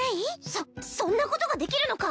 そそんなことができるのか？